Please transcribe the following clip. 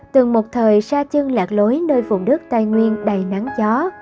từng một thời xa chân lạc lối nơi vùng đất tây nguyên đầy nắng gió